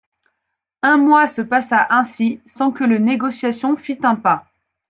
Un mois se passa ainsi sans que le négociation fît un pas.